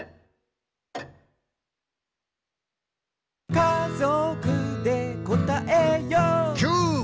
「かぞくでこたえよう」キュー！